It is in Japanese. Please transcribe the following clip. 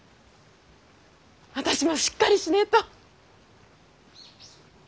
私もしっかりしねぇと！